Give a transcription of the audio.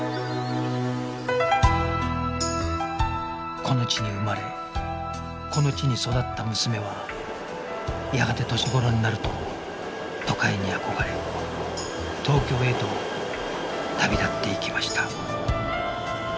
この地に生まれこの地に育った娘はやがて年頃になると都会に憧れ東京へと旅立っていきました